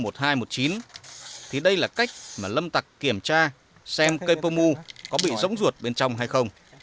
thì đây là cách mà lâm tặc kiểm tra xem cây pơ mu có bị rỗng ruột bên trong hay không